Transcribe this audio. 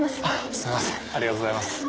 すみませんありがとうございます。